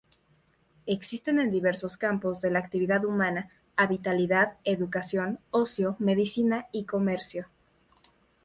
Existe en diversos campos de la actividad humana: habitabilidad, educación, ocio, medicina y comercio.